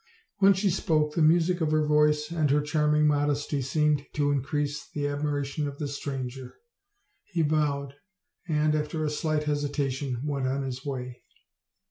When she spoke the music of her voice and her charming modesty seemed to increase the ad miration of the stranger. He bowed, and, after a slight hesitation, went on his way.